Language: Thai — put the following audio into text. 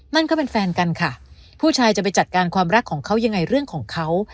นั่นก็เป็นแฟนกันค่ะผู้ชายจะไปจัดการความรักของเขายังไงเรื่องของเขา